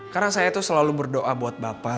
karena saya itu selalu berdoa buat bapak